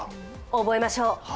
覚えましょう。